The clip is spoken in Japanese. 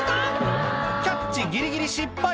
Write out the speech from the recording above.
キャッチギリギリ失敗！